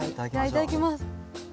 いただきます。